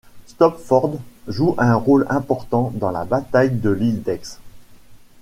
Stopford joue un rôle important dans la bataille de l'île d'Aix.